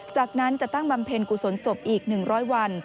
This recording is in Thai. จากนั้นจะตั้งบำเพ็ญกุศลศพอีก๑๐๐วัน